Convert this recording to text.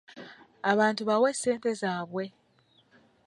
Abantu bawe ssente zaabwe.